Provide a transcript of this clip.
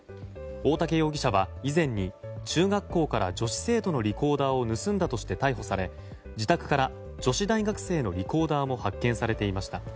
大竹容疑者は以前に中学校から女子生徒のリコーダーを盗んだとして逮捕され、自宅から女子大学生のリコーダーも発見されていました。